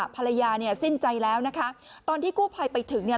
ภรรยาเนี่ยสิ้นใจแล้วนะคะตอนที่กู้ภัยไปถึงเนี่ย